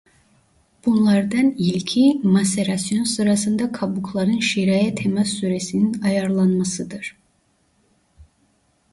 Bunlardan ilki maserasyon sırasında kabukların şıraya temas süresinin ayarlanmasıdır.